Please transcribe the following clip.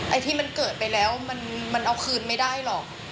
ไอ้ที่มันเกิดไปแล้วมันเอาคืนไม่ได้หรอก